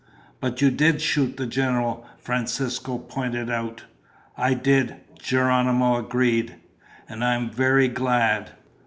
"But you did shoot the general," Francisco pointed out. "I did," Geronimo agreed, "and I am very glad.